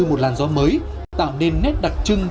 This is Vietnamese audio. một làn gió mới tạo nên nét đặc trưng